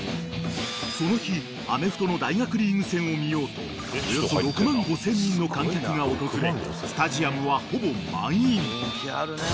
［その日アメフトの大学リーグ戦を見ようとおよそ６万５，０００人の観客が訪れスタジアムはほぼ満員］